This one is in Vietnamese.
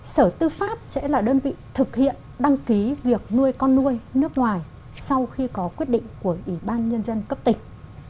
sở tư pháp sẽ là đơn vị thực hiện đăng ký việc nuôi con nuôi nước ngoài sau khi có quyết định của ủy ban nhân dân cấp tỉnh